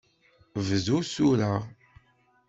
Bdu tura!